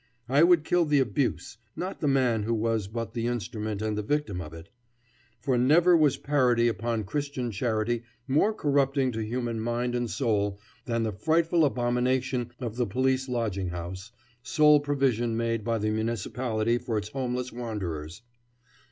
I would kill the abuse, not the man who was but the instrument and the victim of it. For never was parody upon Christian charity more corrupting to human mind and soul than the frightful abomination of the police lodging house, sole provision made by the municipality for its homeless wanderers.